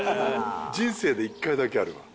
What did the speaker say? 人生で１回だけあるわ。